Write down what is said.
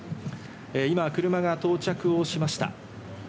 今、車が到着しました。